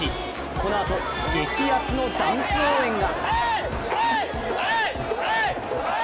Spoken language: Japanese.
このあと、激アツのダンス応援が。